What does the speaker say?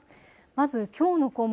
まずきょうの項目